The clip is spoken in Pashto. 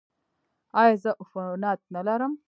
ایا زه عفونت لرم؟